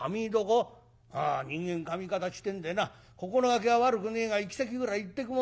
人間でな心掛けは悪くねえが行き先ぐらい言ってくもんだ。